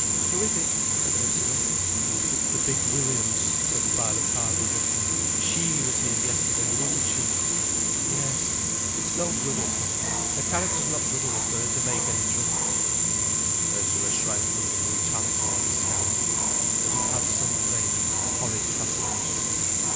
"Who is it?" said Ursula. "It's the big Williams," said Violet Harby roughly. "She was here yesterday, wasn't she?" "Yes." "It's no good her coming—her character's not good enough for her to make any trouble." Ursula shrank from the brutality and the scandal. But it had some vague, horrid fascination.